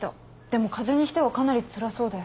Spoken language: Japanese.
でも風邪にしてはかなりつらそうで。